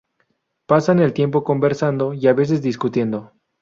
Pasan el tiempo conversando y a veces discutiendo.